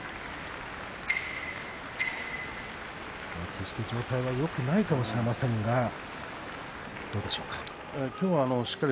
決して状態はよくないかもしれませんが、どうでしょうか。